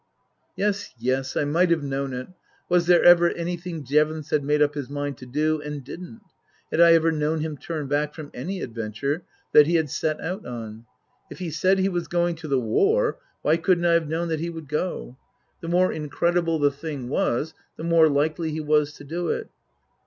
Yes, yes, I might have known it. Was there ever anything Jevons had made up his mind to do and didn't ? Had I ever known him turn back from any adventure that he had set out on ? If he said he was going to the war, why couldn't I have known that he would go ? The more incredible the thing was, the more likely he was to do it.